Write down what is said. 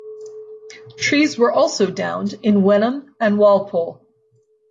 Trees were also downed in Wenham and Walpole.